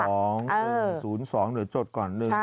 เดี๋ยวจดก่อน